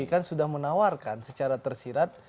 kan sudah menawarkan secara tersirat